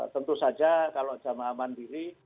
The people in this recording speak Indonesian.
tentu saja kalau jamaah mandiri